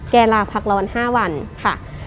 ลาพักร้อน๕วันค่ะ